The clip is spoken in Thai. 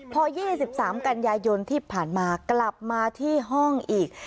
พอยี่สิบสามกันยายนที่ผ่านมากลับมาที่ห้องอีก